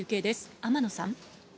天野さん。